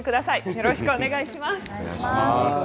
よろしくお願いします。